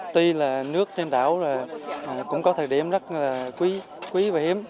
tuy là nước trên đảo cũng có thời điểm rất quý và hiếm